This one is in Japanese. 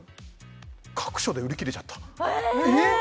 各所で売り切れちゃったえっ？